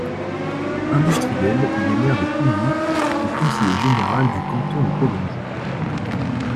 Industriel, il est maire de Pougny et conseiller général du canton de Collonges.